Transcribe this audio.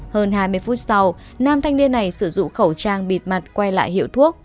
hơn hai mươi phút sau nam thanh niên này sử dụng khẩu trang bịt mặt quay lại hiệu thuốc